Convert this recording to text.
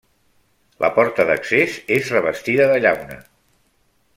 La porta d'accés és revestida de llauna.